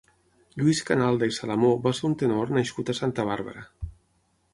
Lluís Canalda i Salamó va ser un tenor nascut a Santa Bàrbara.